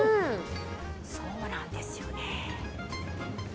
そうなんですよね。